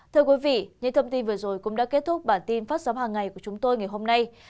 thưa quý vị những thông tin vừa rồi cũng đã kết thúc bản tin phát sóng hàng ngày của chúng tôi ngày hôm nay